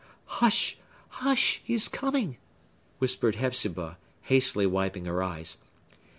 "Hush! hush! He is coming!" whispered Hepzibah, hastily wiping her eyes.